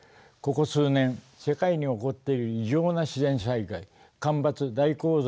ここ数年世界に起こっている異常な自然災害干ばつ